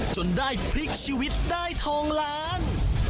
จนได้พลิกชีวิตได้ทองล้าน